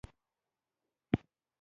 دوی ملي باورونه په تازیانو اداره کول.